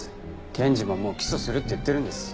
検事ももう起訴するって言ってるんです。